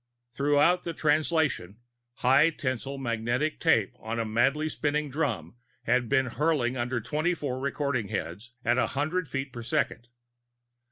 Throughout the Translation, high tensile magnetic tape on a madly spinning drum had been hurtling under twenty four recording heads at a hundred feet a second.